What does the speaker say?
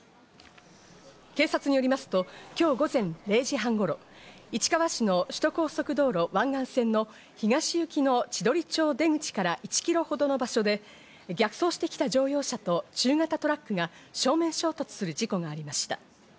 警察によりますと今日午前０時半頃、市川市の首都高速道路湾岸線の東行きの千鳥町出口から１ｋｍほどの場所で、逆走してきた乗用車と中型トラックが正面衝突する事故がありました。